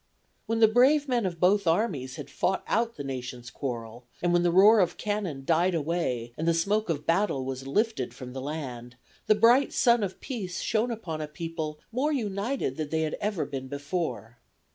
"When the brave men of both armies had fought out the nation's quarrel, and when the roar of cannon died away and the smoke of battle was lifted from the land, the bright sun of peace shone upon a people more united than they had ever been before.